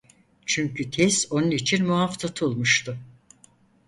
Çünkü tez onun için muaf tutulmuştu.